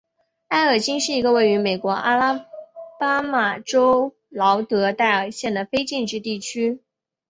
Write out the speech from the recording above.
埃尔金是一个位于美国阿拉巴马州劳德代尔县的非建制地区。